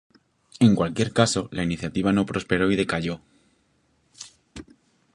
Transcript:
En cualquier caso, la iniciativa no prospero y decayó.